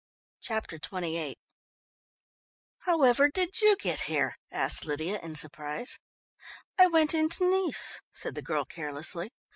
Chapter XXVIII "However did you get here?" asked Lydia in surprise. "I went into Nice," said the girl carelessly.